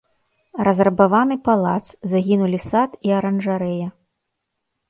Разрабаваны палац, загінулі сад і аранжарэя.